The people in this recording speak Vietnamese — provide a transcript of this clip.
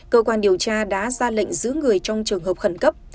cơ quan điều tra đã ra lệnh giữ người trong trường hợp khẩn cấp